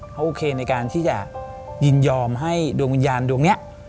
เขาโอเคในการที่จะยินยอมให้ดวงวิญญาณดวงนี้